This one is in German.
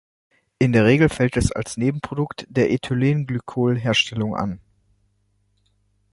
In der Regel fällt es als Nebenprodukt der Ethylenglycol-Herstellung an.